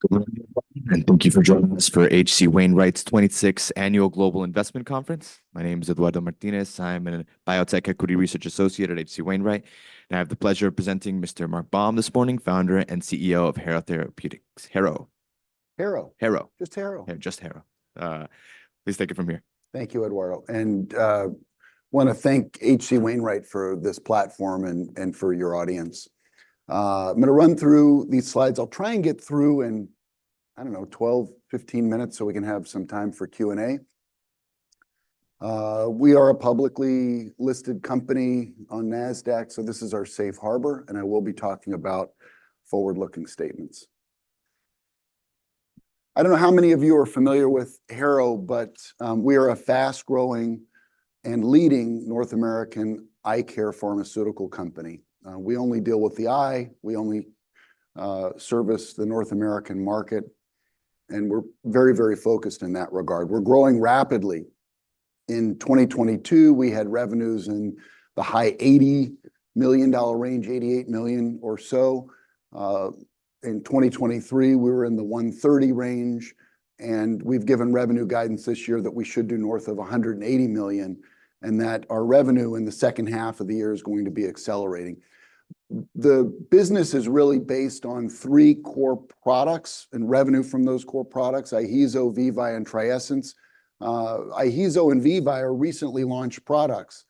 Good morning, everybody, and thank you for joining us for H.C. Wainwright's twenty-sixth Annual Global Investment Conference. My name is Eduardo Martinez. I'm a biotech equity research associate at H.C. Wainwright, and I have the pleasure of presenting Mr. Mark Baum this morning, founder and CEO of Harrow. Harrow. Harrow. Just Harrow. Yeah, just Harrow. Please take it from here. Thank you, Eduardo, and, I want to thank H.C. Wainwright for this platform and, and for your audience. I'm going to run through these slides. I'll try and get through in, I don't know, 12, 15 minutes, so we can have some time for Q&A. We are a publicly listed company on NASDAQ, so this is our safe harbor, and I will be talking about forward-looking statements. I don't know how many of you are familiar with Harrow, but, we are a fast-growing and leading North American eye care pharmaceutical company. We only deal with the eye, we only service the North American market, and we're very, very focused in that regard. We're growing rapidly. In 2022, we had revenues in the high $80 million range, $88 million or so. In 2023, we were in the $130 million range, and we've given revenue guidance this year that we should do north of $180 million, and that our revenue in the second half of the year is going to be accelerating. The business is really based on three core products and revenue from those core products, IHEEZO, VEVYE, and TRIESENCE. IHEEZO and VEVYE are recently launched products,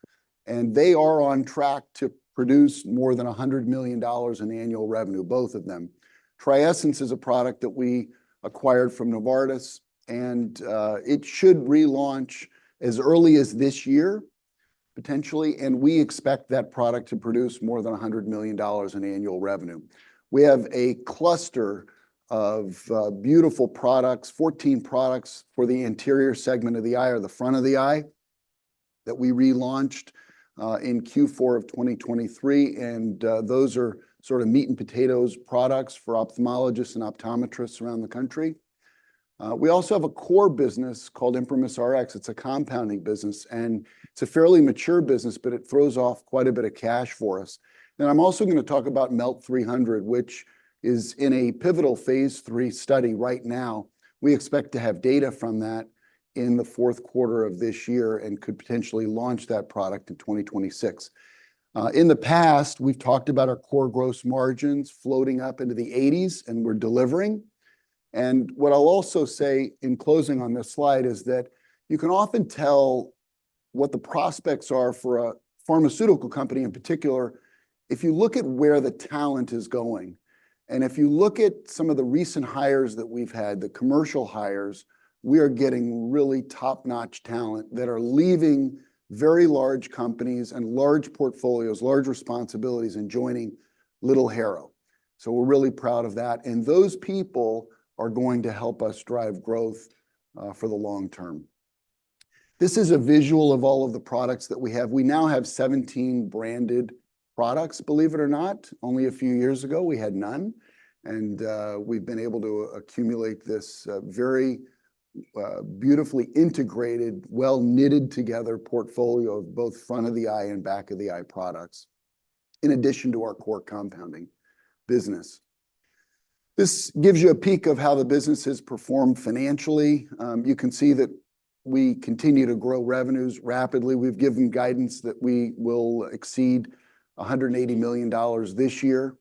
and they are on track to produce more than $100 million in annual revenue, both of them. TRIESENCE is a product that we acquired from Novartis, and it should relaunch as early as this year, potentially, and we expect that product to produce more than $100 million in annual revenue. We have a cluster of beautiful products, 14 products, for the anterior segment of the eye or the front of the eye, that we relaunched in Q4 of 2023, and those are sort of meat and potatoes products for ophthalmologists and optometrists around the country. We also have a core business called ImprimisRx. It's a compounding business, and it's a fairly mature business, but it throws off quite a bit of cash for us. Then I'm also going to talk about MELT-300, which is in a pivotal phase III study right now. We expect to have data from that in the fourth quarter of this year and could potentially launch that product in 2026. In the past, we've talked about our core gross margins floating up into the eighties, and we're delivering. And what I'll also say in closing on this slide is that you can often tell what the prospects are for a pharmaceutical company in particular, if you look at where the talent is going. And if you look at some of the recent hires that we've had, the commercial hires, we are getting really top-notch talent that are leaving very large companies and large portfolios, large responsibilities, and joining little Harrow. So we're really proud of that, and those people are going to help us drive growth, for the long term. This is a visual of all of the products that we have. We now have 17 branded products, believe it or not. Only a few years ago, we had none, and we've been able to accumulate this very beautifully integrated, well-knitted-together portfolio of both front of the eye and back of the eye products, in addition to our core compounding business. This gives you a peek of how the business has performed financially. You can see that we continue to grow revenues rapidly. We've given guidance that we will exceed $180 million this year,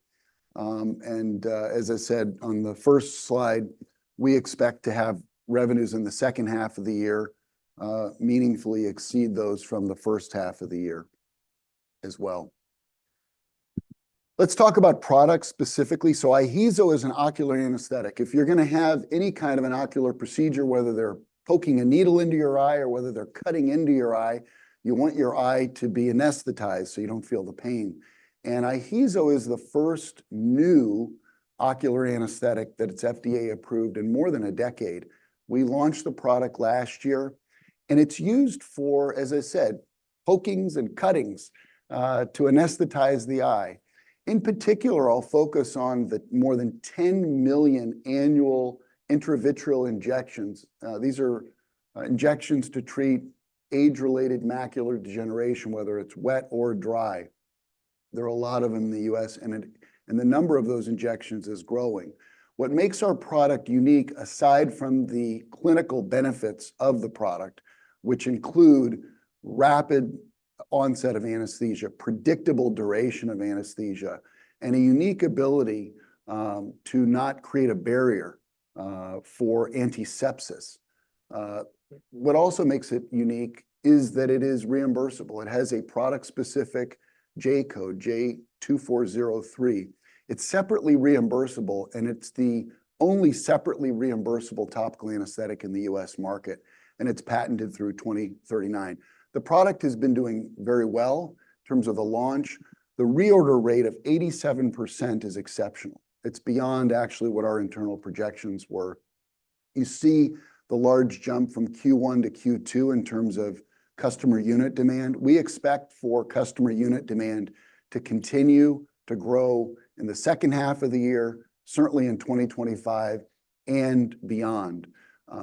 and as I said on the first slide, we expect to have revenues in the second half of the year meaningfully exceed those from the first half of the year as well. Let's talk about products specifically. So IHEEZO is an ocular anesthetic. If you're going to have any kind of an ocular procedure, whether they're poking a needle into your eye or whether they're cutting into your eye, you want your eye to be anesthetized, so you don't feel the pain. And IHEEZO is the first new ocular anesthetic, that it's FDA approved, in more than a decade. We launched the product last year, and it's used for, as I said, pokings and cuttings, to anesthetize the eye. In particular, I'll focus on the more than 10 million annual intravitreal injections. These are injections to treat age-related macular degeneration, whether it's wet or dry. There are a lot of them in the U.S., and the number of those injections is growing. What makes our product unique, aside from the clinical benefits of the product, which include rapid onset of anesthesia, predictable duration of anesthesia, and a unique ability to not create a barrier for antisepsis. What also makes it unique is that it is reimbursable. It has a product-specific J-code, J2403. It's separately reimbursable, and it's the only separately reimbursable topical anesthetic in the U.S. market, and it's patented through 2039. The product has been doing very well in terms of the launch. The reorder rate of 87% is exceptional. It's beyond actually what our internal projections were. You see the large jump from Q1 to Q2 in terms of customer unit demand. We expect for customer unit demand to continue to grow in the second half of the year, certainly in 2025 and beyond.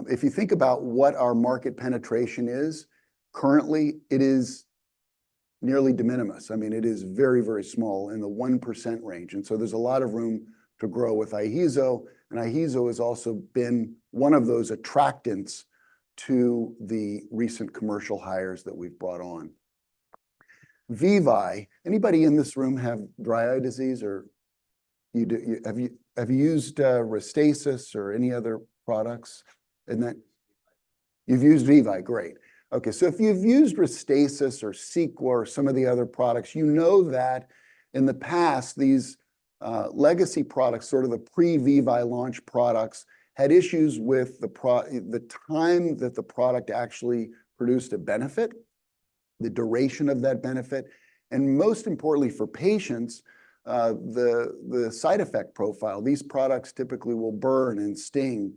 If you think about what our market penetration is, currently, it is nearly de minimis. I mean, it is very, very small, in the 1% range, and so there's a lot of room to grow with IHEEZO, and IHEEZO has also been one of those attractants to the recent commercial hires that we've brought on. VEVYE, anybody in this room have dry eye disease or you do? Have you, have you used, Restasis or any other products in that? You've used VEVYE? Great. Okay, so if you've used Restasis or Cequa or some of the other products, you know that in the past, these, legacy products, sort of the pre-VEVYE launch products, had issues with the time that the product actually produced a benefit, the duration of that benefit, and most importantly, for patients, the, the side effect profile. These products typically will burn and sting.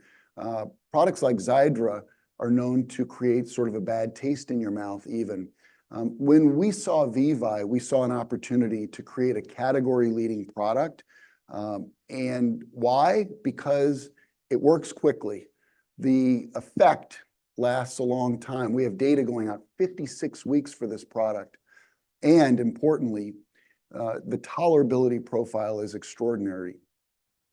Products like Xiidra are known to create sort of a bad taste in your mouth, even. When we saw VEVYE, we saw an opportunity to create a category-leading product. And why? Because it works quickly. The effect lasts a long time. We have data going out 56 weeks for this product, and importantly, the tolerability profile is extraordinary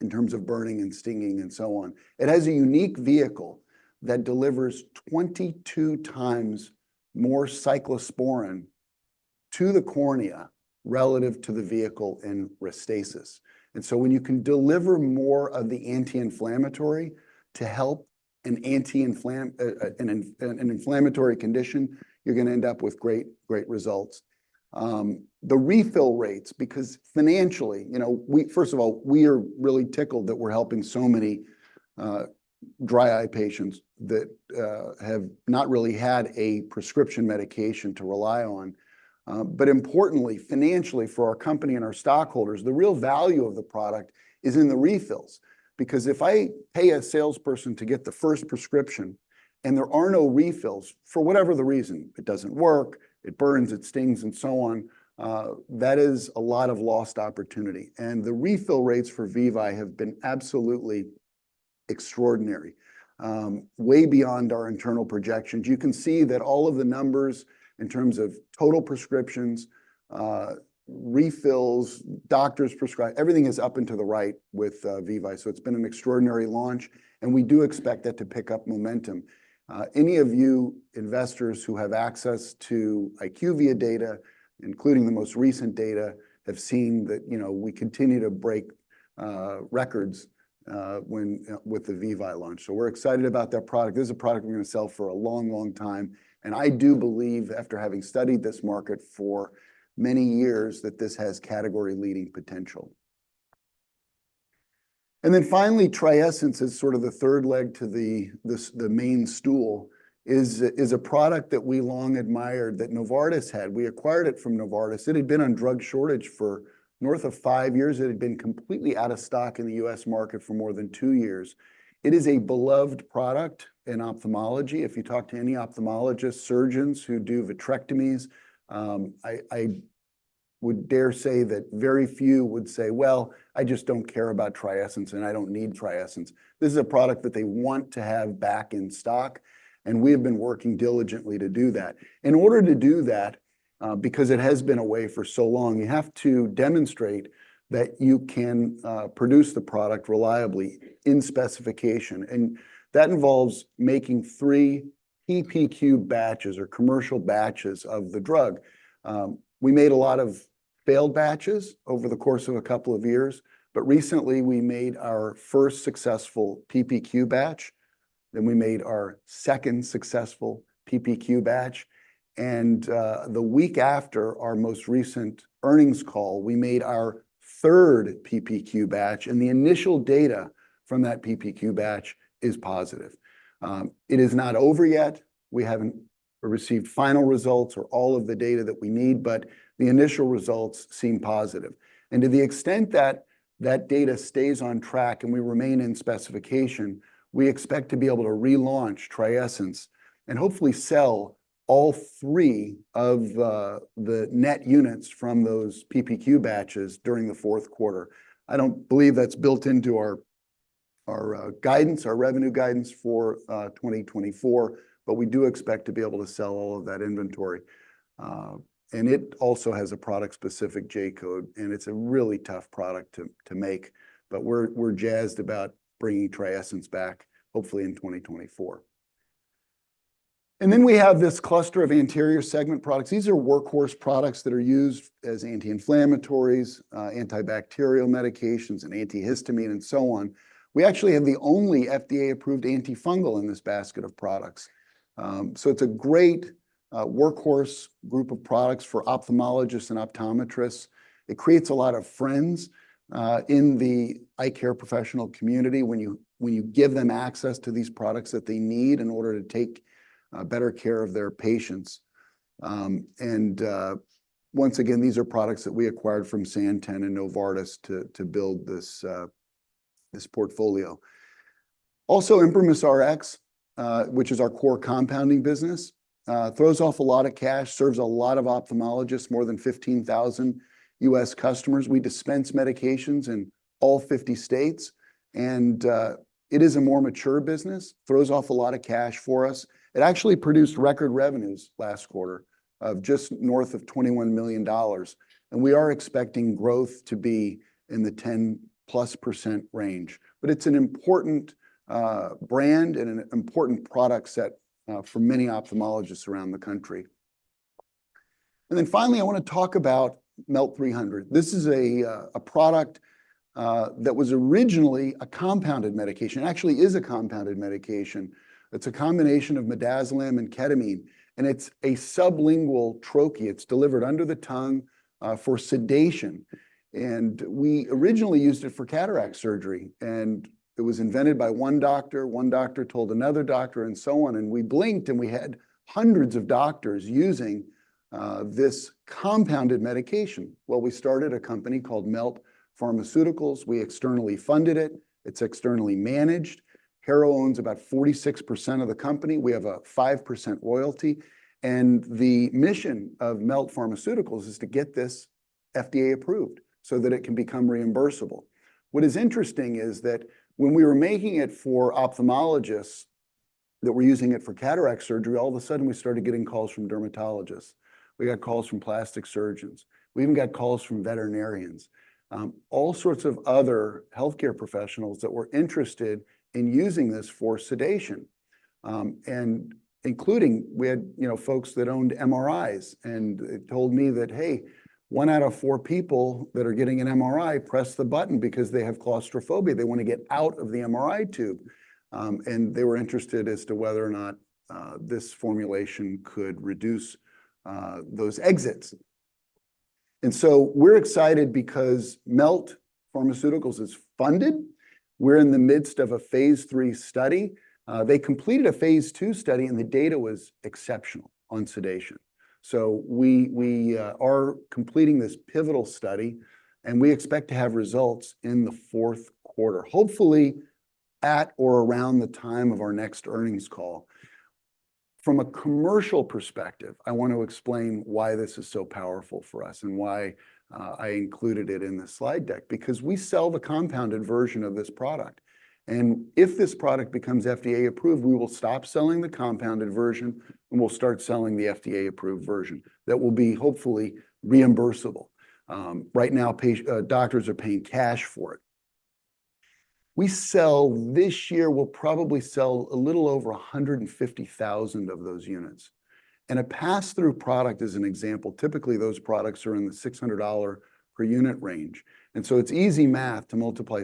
in terms of burning and stinging and so on. It has a unique vehicle that delivers 22 times more cyclosporine to the cornea relative to the vehicle in Restasis. And so when you can deliver more of the anti-inflammatory to help an inflammatory condition, you're gonna end up with great, great results. The refill rates, because financially, you know, first of all, we are really tickled that we're helping so many dry eye patients that have not really had a prescription medication to rely on. But importantly, financially, for our company and our stockholders, the real value of the product is in the refills. Because if I pay a salesperson to get the first prescription and there are no refills, for whatever the reason, it doesn't work, it burns, it stings, and so on, that is a lot of lost opportunity, and the refill rates for VEVYE have been absolutely extraordinary, way beyond our internal projections. You can see that all of the numbers, in terms of total prescriptions, refills, doctors prescribe, everything is up and to the right with VEVYE. So it's been an extraordinary launch, and we do expect that to pick up momentum. Any of you investors who have access to IQVIA data, including the most recent data, have seen that, you know, we continue to break records with the Vevye launch. So we're excited about that product. This is a product we're going to sell for a long, long time, and I do believe, after having studied this market for many years, that this has category-leading potential. And then finally, TRIESENCE is sort of the third leg to the main stool, is a product that we long admired that Novartis had. We acquired it from Novartis. It had been on drug shortage for north of five years. It had been completely out of stock in the U.S. market for more than two years. It is a beloved product in ophthalmology. If you talk to any ophthalmologist, surgeons who do vitrectomies, I would dare say that very few would say, "Well, I just don't care about TRIESENCE, and I don't need TRIESENCE." This is a product that they want to have back in stock, and we have been working diligently to do that. In order to do that, because it has been away for so long, you have to demonstrate that you can produce the product reliably in specification, and that involves making three PPQ batches or commercial batches of the drug. We made a lot of failed batches over the course of a couple of years, but recently, we made our first successful PPQ batch, then we made our second successful PPQ batch, and the week after our most recent earnings call, we made our third PPQ batch, and the initial data from that PPQ batch is positive. It is not over yet. We haven't received final results or all of the data that we need, but the initial results seem positive, and to the extent that that data stays on track and we remain in specification, we expect to be able to relaunch TRIESENCE and hopefully sell all three of the net units from those PPQ batches during the fourth quarter. I don't believe that's built into our guidance, our revenue guidance for 2024, but we do expect to be able to sell all of that inventory, and it also has a product-specific J-code, and it's a really tough product to make, but we're jazzed about bringing TRIESENCE back, hopefully in 2024. And then we have this cluster of anterior segment products. These are workhorse products that are used as anti-inflammatories, antibacterial medications, and antihistamine, and so on. We actually have the only FDA-approved antifungal in this basket of products. So it's a great workhorse group of products for ophthalmologists and optometrists. It creates a lot of friends in the eye care professional community when you give them access to these products that they need in order to take better care of their patients. Once again, these are products that we acquired from Santen and Novartis to build this portfolio. Also, ImprimisRx, which is our core compounding business, throws off a lot of cash, serves a lot of ophthalmologists, more than 15,000 U.S. customers. We dispense medications in all 50 states, and it is a more mature business, throws off a lot of cash for us. It actually produced record revenues last quarter of just north of $21 million, and we are expecting growth to be in the 10-plus percent range. It is an important brand and an important product set for many ophthalmologists around the country. Then finally, I wanna talk about MELT-300. This is a product that was originally a compounded medication. It actually is a compounded medication. It's a combination of midazolam and ketamine, and it's a sublingual troche. It's delivered under the tongue, for sedation, and we originally used it for cataract surgery, and it was invented by one doctor, one doctor told another doctor, and so on, and we blinked, and we had hundreds of doctors using this compounded medication. We started a company called Melt Pharmaceuticals. We externally funded it. It's externally managed. Harrow owns about 46% of the company. We have a 5% royalty, and the mission of Melt Pharmaceuticals is to get this FDA approved so that it can become reimbursable. What is interesting is that when we were making it for ophthalmologists that were using it for cataract surgery, all of a sudden we started getting calls from dermatologists. We got calls from plastic surgeons. We even got calls from veterinarians, all sorts of other healthcare professionals that were interested in using this for sedation. And including, we had, you know, folks that owned MRIs and told me that, "Hey, one out of four people that are getting an MRI press the button because they have claustrophobia. They want to get out of the MRI tube." And they were interested as to whether or not this formulation could reduce those exits. And so we're excited because Melt Pharmaceuticals is funded. We're in the midst of a phase III study. They completed a phase II study, and the data was exceptional on sedation. So we are completing this pivotal study, and we expect to have results in the fourth quarter, hopefully at or around the time of our next earnings call. From a commercial perspective, I want to explain why this is so powerful for us and why I included it in the slide deck. Because we sell the compounded version of this product, and if this product becomes FDA approved, we will stop selling the compounded version, and we'll start selling the FDA-approved version. That will be hopefully reimbursable. Right now, doctors are paying cash for it. This year, we'll probably sell a little over 150,000 of those units, and a pass-through product as an example, typically, those products are in the $600 per unit range, and so it's easy math to multiply-